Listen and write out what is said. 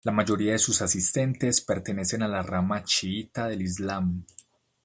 La mayoría de sus asistentes pertenecen a la rama chiita del islam.